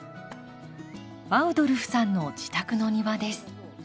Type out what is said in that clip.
アウドルフさんの自宅の庭です。